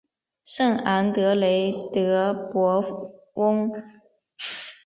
圣昂德雷德博翁。